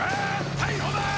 逮捕だー！